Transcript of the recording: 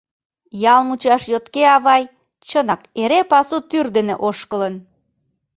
Ял мучаш йотке авай, чынак, эре пасу тӱр дене ошкылын.